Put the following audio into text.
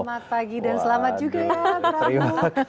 selamat pagi dan selamat juga ya prof